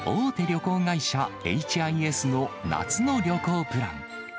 旅行会社、ＨＩＳの夏の旅行プラン。